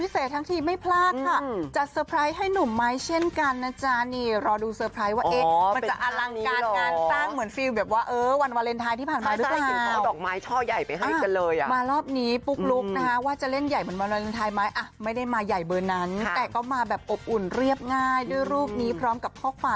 ซ่อนความหวานเอาไว้ด้วยนะคะ